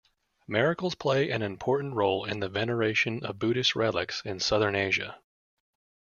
Miracles play an important role in the veneration of Buddhist relics in Southern Asia.